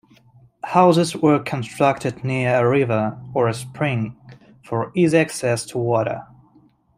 Houses were constructed near a river or a spring for easy access to water.